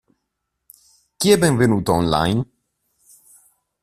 Chi è benvenuto online?